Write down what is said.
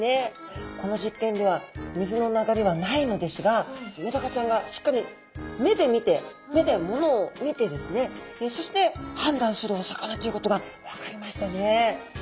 これはメダカちゃんがしっかり目で見て目でものを見てですねそして判断するお魚ということが分かりましたね。